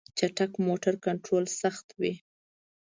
چټک موټر کنټرول سخت وي.